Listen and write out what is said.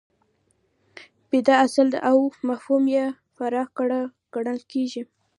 پدیده اصل ده او مفهوم یې فرع ګڼل کېږي.